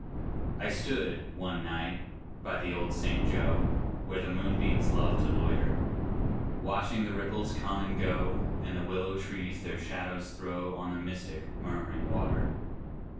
I stood, one night, by the old St. Joe, Where the moonbeams love to loiter; Watching the ripples come and go And the willow trees their shadows throw On the mystic, murm'ring water.